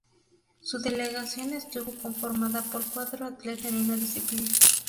Su delegación estuvo conformada por cuatro atletas en una disciplina.